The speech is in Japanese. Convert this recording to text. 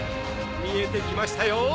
見えてきましたよ。